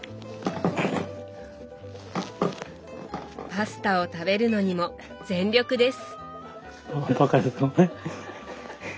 パスタを食べるのにも全力です。